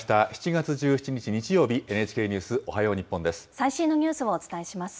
７月１７日日曜日、ＮＨＫニュースおはよう日本です。